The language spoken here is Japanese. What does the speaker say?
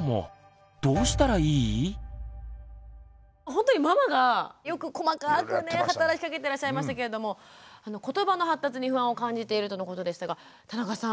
ほんとにママがよく細かくね働きかけていらっしゃいましたけれどもことばの発達に不安を感じているとのことでしたが田中さん